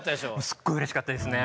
すっごいうれしかったですね。